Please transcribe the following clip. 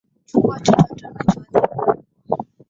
Chukua chochote unachoweza kunyakua